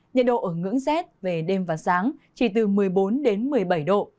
nhiệt độ ở ngưỡng rét về đêm và sáng chỉ từ một mươi bốn đến một mươi bảy độ